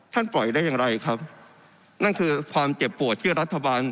ปล่อยได้อย่างไรครับนั่นคือความเจ็บปวดที่รัฐบาล